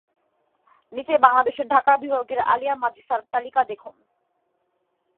নিচে বাংলাদেশের ঢাকা বিভাগের আলিয়া মাদ্রাসার তালিকা দেখুন।